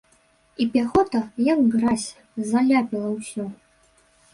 І пяхота, як гразь, заляпіла ўсё.